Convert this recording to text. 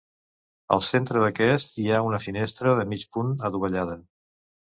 Al centre d'aquest hi ha una finestra de mig punt adovellada.